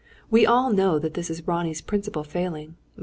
We all know that this is Ronnie's principal failing.